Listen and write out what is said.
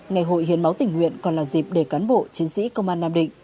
ngày hội hiến máu tỉnh nguyện còn là dịp để cán bộ chiến sĩ công an nam định